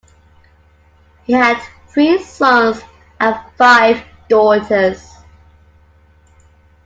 He had three sons and five daughters.